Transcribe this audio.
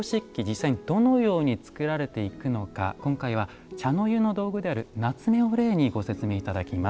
実際にどのように作られていくのか今回は茶の湯の道具である棗を例にご説明頂きます。